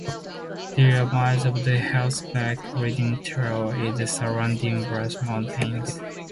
There are miles of horseback riding trails in the surrounding Brushy Mountains.